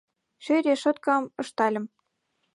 Ший решоткам ыштальым.